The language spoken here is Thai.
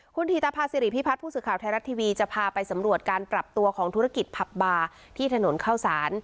คุณธีตภาษิริพิพัฒน์ผู้สื่อข่าวไทยรัฐทีวีจะพาไปสำรวจการปรับตัวของธุรกิจผับบาร์ที่ถนนเข้าสาร